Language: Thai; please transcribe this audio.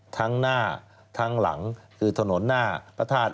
ทั้งหน้าทั้งหลังคือถนนหน้าพระธาตุ